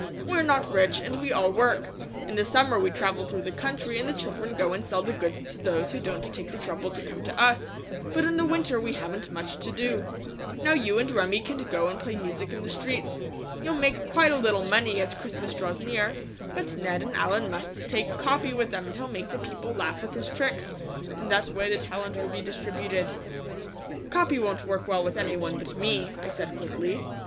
"We're not rich and we all work. In the summer we travel through the country and the children go and sell the goods to those who won't take the trouble to come to us, but in the winter we haven't much to do. Now you and Remi can go and play music in the streets. You'll make quite a little money as Christmas draws near, but Ned and Allen must take Capi with them and he'll make the people laugh with his tricks; in that way the talent will be distributed." "Capi won't work well with any one but me," I said quickly.